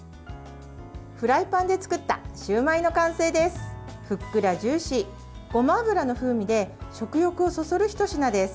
フライパンで作ったシューマイの完成です。